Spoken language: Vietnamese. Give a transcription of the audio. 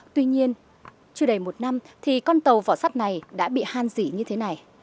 tuy nhiên chưa đầy một năm thì con tàu vỏ sắt này đã bị hàn dì như thế này